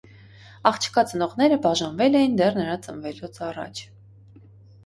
Աղջկա ծնողները բաժանվել էին դեռ նրա ծնվելուց առաջ։